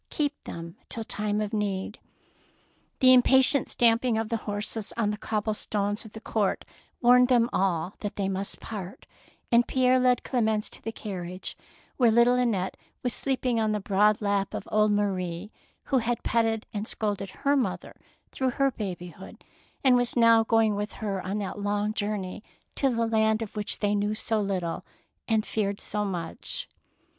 Keep them till time of need." The impatient stamping of the horses on the cobblestones of the court, warned them all that they must part, and Pierre led Clemence to the carriage, where little Annette was sleeping on the broad lap of old Marie, who had petted and scolded her mother through her babyhood and was now going with her on that long journey to the land of which they knew so little and feared so much.